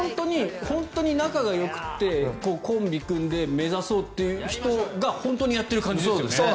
本当に仲よくなってコンビを組んで目指そうという人が本当にやっている感じですよね。